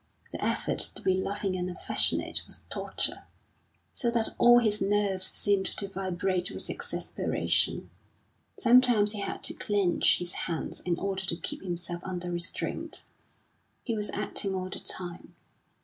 The effort to be loving and affectionate was torture, so that all his nerves seemed to vibrate with exasperation. Sometimes he had to clench his hands in order to keep himself under restraint. He was acting all the time.